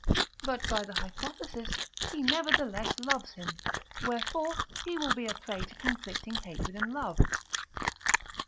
But, by the hypothesis, he nevertheless loves him: wherefore he will be a prey to conflicting hatred and love.